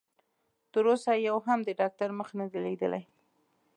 تر اوسه يوه هم د ډاکټر مخ نه دی ليدلی.